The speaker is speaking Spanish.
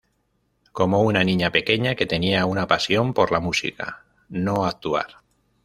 Como una niña pequeña que tenía una pasión por la música, no actuar.